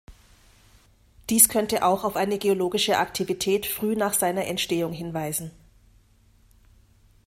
Dies könnte auch auf eine geologische Aktivität früh nach seiner Entstehung hinweisen.